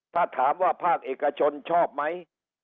ถ้าถามว่าภาคเอกชนชอบไหม